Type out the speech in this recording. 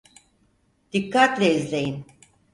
Dikkatle izleyin.